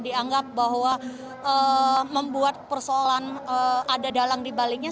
dianggap bahwa membuat persoalan ada dalang di baliknya